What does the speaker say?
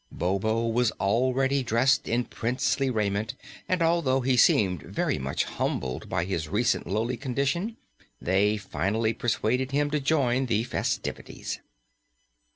Bobo was already dressed in princely raiment and although he seemed very much humbled by his recent lowly condition, they finally persuaded him to join the festivities.